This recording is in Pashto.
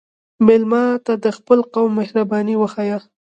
مېلمه ته د خپل قوم مهرباني وښیه.